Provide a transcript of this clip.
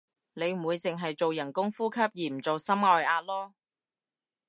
你唔會淨係做人工呼吸而唔做心外壓囉